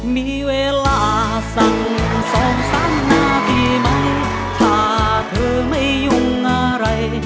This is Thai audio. มีเวลาสักสองสามนาทีไหมถ้าเธอไม่ยุ่งอะไร